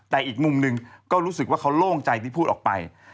แต่อีกมุมหนึ่งก็รู้สึกว่าเขาโล่งใจที่พูดออกไป